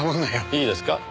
いいですか？